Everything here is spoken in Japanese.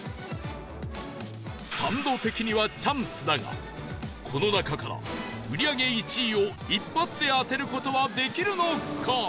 サンド的にはチャンスだがこの中から売り上げ１位を一発で当てる事はできるのか？